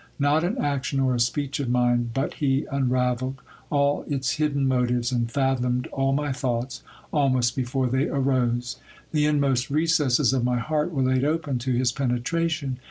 Not an action or a speech of mine, but he unravelled all its hidden motives, and fathomed all my thoughts, almost before they arose. The inmost recesses of my heart were laid open to his penetration.